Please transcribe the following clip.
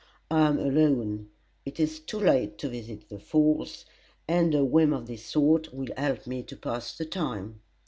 I am alone; it is too late to visit the Falls, and a whim of this sort will help me to pass the time."